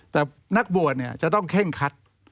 แต่นักบวชเนี่ยจะต้องเข้งคัด